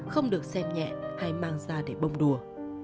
không được xem nhẹ hay mang ra để bông đùa